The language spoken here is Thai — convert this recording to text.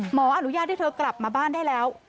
อนุญาตให้เธอกลับมาบ้านได้แล้ว